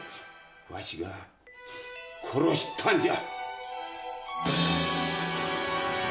ワシが殺したんじゃ。